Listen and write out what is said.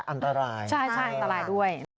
อันตรายใช่อันตรายด้วย